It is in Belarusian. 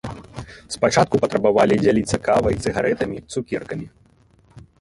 Спачатку патрабавалі дзяліцца кавай, цыгарэтамі, цукеркамі.